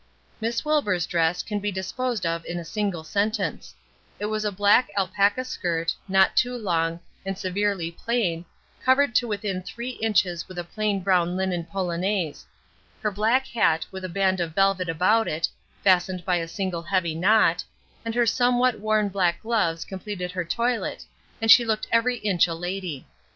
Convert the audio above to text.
Miss Wilbur's dress can be disposed of in a single sentence: It was a black alpaca skirt, not too long, and severely plain, covered to within three inches with a plain brown linen polonaise; her black hat with a band of velvet about it, fastened by a single heavy knot, and her somewhat worn black gloves completed her toilet, and she looked every inch a lady.